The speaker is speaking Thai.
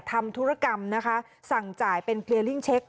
ทำธุรกรรมนะคะสั่งจ่ายเป็นเพลียลิ่งเช็ค